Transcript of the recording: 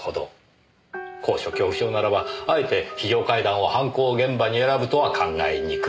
高所恐怖症ならばあえて非常階段を犯行現場に選ぶとは考えにくい。